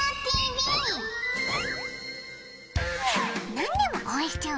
何でも応援しちゃう